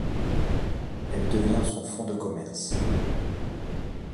Elle devient son fonds de commerce.